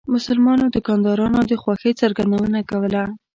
مسلمانو دکاندارانو د خوښۍ څرګندونه کوله.